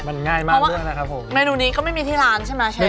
มันง่ายมากนะครับผมเมนูนี้ก็ไม่มีที่ร้านใช่ไหมใช่ไหม